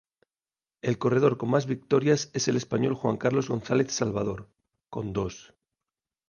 El corredor con más victorias es el español Juan Carlos González Salvador, con dos.